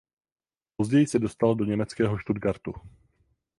Později se dostala do německého Stuttgartu.